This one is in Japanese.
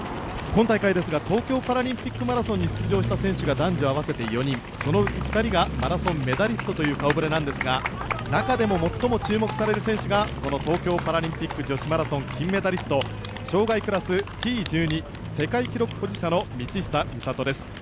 今大会ですが東京パラリンピックマラソンに出場した選手が男女合わせて５人そのうち２人がマラソンメダリストという顔ぶれなんですが中でも、最も注目される選手が東京パラリンピック金メダリスト、障害クラスＴ１２、世界記録保持者の道下美里です。